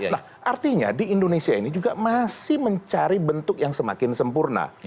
nah artinya di indonesia ini juga masih mencari bentuk yang semakin sempurna